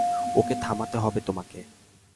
ওকে থামাতে হবে তোমাকে।